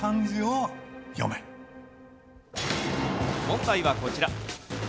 問題はこちら。